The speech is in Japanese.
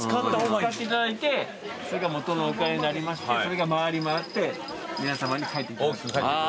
使っていただいてそれがもとのお金になりましてそれが回り回って皆さまに返ってくる。